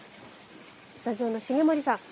スタジオの重森さん